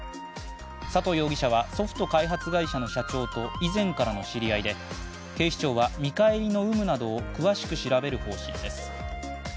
佐藤容疑者はソフト開発会社の社長と以前からの知り合いで警視庁は見返りの有無などを詳しく調べる方針です。